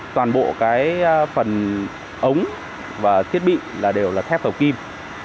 toàn bộ cái phần ống và thiết bị là đều là thép hầu kim